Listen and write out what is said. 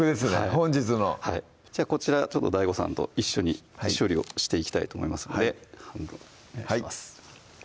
本日のはいこちらＤＡＩＧＯさんと一緒に処理をしていきたいと思いますので半分お願いします